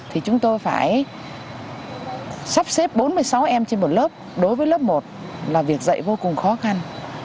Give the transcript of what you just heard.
thì chúng tôi phải sắp xếp bốn mươi sáu em trên một lớp đối với lớp một là việc dạy vô cùng khó khăn